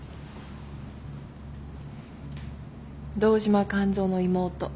堂島完三の妹。